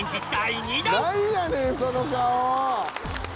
何やねんその顔！